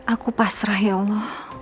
aku pasrah ya allah